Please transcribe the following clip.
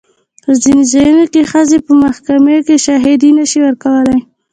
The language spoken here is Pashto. په ځینو ځایونو کې ښځې په محکمې کې شاهدي نه شي ورکولی.